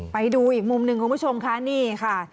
ไปดูอีกมุมหนึ่งคุณผู้ชมค่ะนี่ค่ะ